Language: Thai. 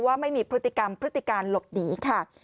ว่าไม่มีพฤติกรรมพฤติการหลบหนีค่ะ